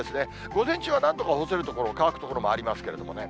午前中はなんとか干せる所、乾く所もありますけどね。